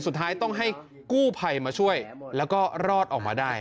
สุดท้ายต้องให้กู้ภัยมาช่วยแล้วก็รอดออกมาได้